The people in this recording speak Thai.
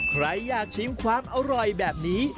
ใครอยากชิมความอร่อยแบบนี้